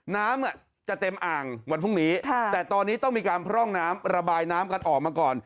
น้ำจะเต็มอ่างวันพรุ่งนี้แต่ตอนนี้ต้องมีการพร่องน้ำระบายน้ำกันออกมาก่อน